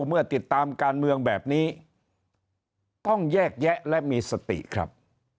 เมื่อติดตามการเมืองแบบนี้ต้องแยกแยะและมีสติครับ